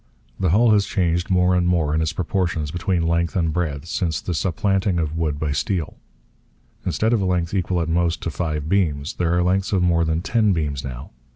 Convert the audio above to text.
The hull has changed more and more in its proportions between length and breadth since the supplanting of wood by steel. Instead of a length equal at most to five beams there are lengths of more than ten beams now.